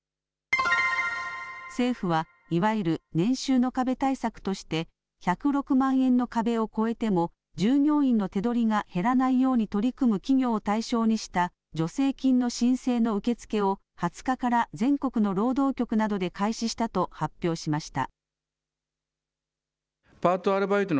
政府はいわゆる年収の壁対策として１０６万円の壁を超えても従業員の手取りが減らないように取り組む企業を対象にした助成金の申請の受け付けを２０日から全国の労働局などで開始したと発表しました。